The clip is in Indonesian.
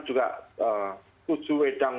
juga tujuh wedang